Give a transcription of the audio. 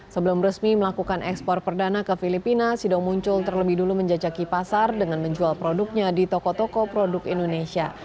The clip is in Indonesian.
sebelum resmi melakukan ekspor perdana ke filipina sido muncul terlebih dulu menjajaki pasar dengan menjual produknya di toko toko produk indonesia